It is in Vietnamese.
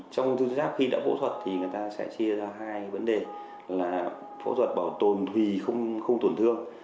trong ung thư giáp khi đã phẫu thuật thì người ta sẽ chia ra hai vấn đề là phẫu thuật bảo tồn vì không tổn thương